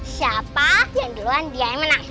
siapa yang duluan dia yang menang